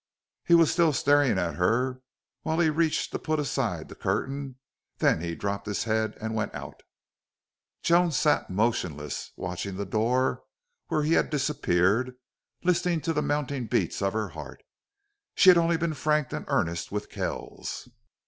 He was still staring at her while he reached to put aside the curtains; then he dropped his head and went out. Joan sat motionless, watching the door where he had disappeared, listening to the mounting beats of her heart. She had only been frank and earnest with Kells.